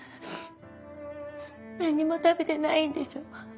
何にも食べてないんでしょ？